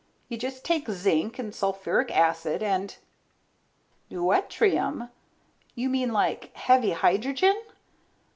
You just take zinc and sulfuric acid and ... Deuterium? You mean like heavy hydrogen?